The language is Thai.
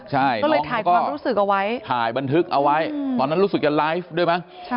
ใช่ก็เลยถ่ายความรู้สึกเอาไว้ถ่ายบันทึกเอาไว้ตอนนั้นรู้สึกจะไลฟ์ด้วยมั้ง